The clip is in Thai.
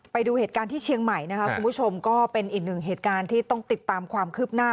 ไปดูเหตุการณ์ที่เชียงใหม่นะคะคุณผู้ชมก็เป็นอีกหนึ่งเหตุการณ์ที่ต้องติดตามความคืบหน้า